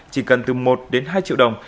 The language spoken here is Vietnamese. chỉ cần từ một đến hai triệu đồng